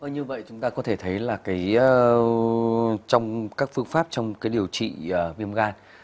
như vậy chúng ta có thể thấy là trong các phương pháp trong cái điều trị viêm gan